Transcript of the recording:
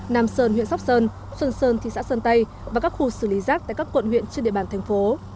nam sơn huyện sóc sơn xuân sơn thị xã sơn tây và các khu xử lý rác tại các quận huyện trên địa bàn thành phố